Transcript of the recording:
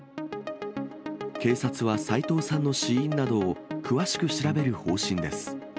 警察は斉藤さんの死因などを詳しく調べる方針です。